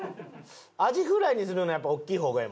アジフライにするのはやっぱ大きい方がええもんな。